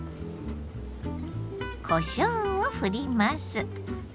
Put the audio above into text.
こしょうをふります。